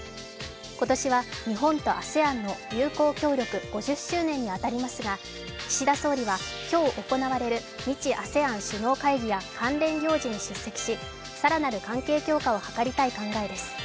今年は日本とＡＳＥＡＮの友好協力５０周年に当たりますが、岸田総理は今日行われる日ＡＳＥＡＮ首脳会議や関連行事に出席し、更なる関係強化を図りたい考えです。